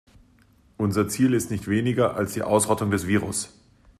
Unser Ziel ist nicht weniger als die Ausrottung des Virus.